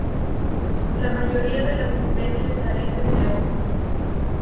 La mayoría de las especies carecen de ojos.